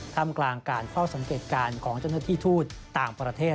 ทำกลางการเฝ้าสังเกตการณ์ของเจ้าหน้าที่ทูตต่างประเทศ